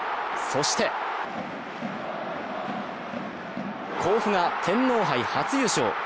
そして甲府が天皇杯初優勝。